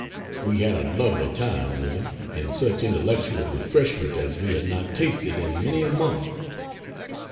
We had a lovely time with him, and such intellectual refreshment as we had not tasted in many a month.